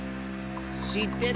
しってる！